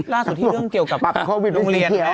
ล่าสุดที่เรื่องเกี่ยวกับโควิดโรงเรียน